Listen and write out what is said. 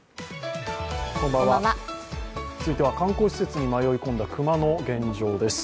続いては観光施設に迷い込んだ熊の現状です。